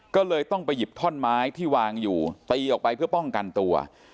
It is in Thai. ก็เลยต้องไปหยิบท่อนไม้ที่วางอยู่ตีออกไปเพื่อป้องกันตัว